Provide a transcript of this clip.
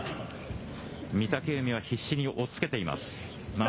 御嶽海は必死に押っつけています。